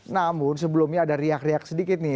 namun sebelumnya ada riak riak sedikit nih